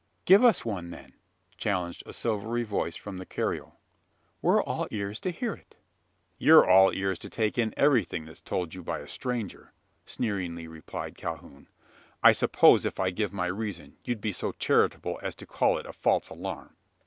"Give us one, then!" challenged a silvery voice from the carriole. "We're all ears to hear it!" "You're all ears to take in everything that's told you by a stranger," sneeringly replied Calhoun. "I suppose if I gave my reason, you'd be so charitable as to call it a false alarm!"